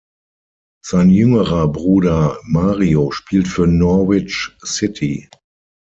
Sein jüngerer Bruder Mario spielt für Norwich City.